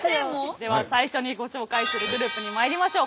では最初にご紹介するグループにまいりましょう。